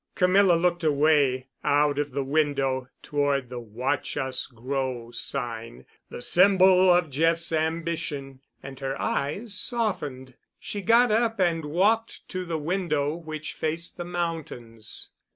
Camilla looked away—out of the window toward the "Watch Us Grow" sign, the symbol of Jeff's ambition, and her eyes softened. She got up and walked to the window which faced the mountains.